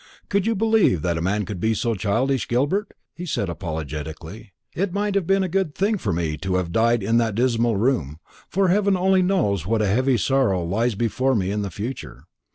"Could you believe that a man would be so childish, Gilbert?" he said apologetically. "It might have been a good thing for me to have died in that dismal room, for heaven only knows what heavy sorrow lies before me in the future.